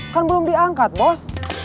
kan belum diangkat bos